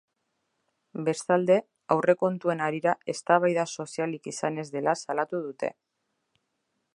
Bestalde, aurrekontuen harira eztabaida sozialik izan ez dela salatu dute.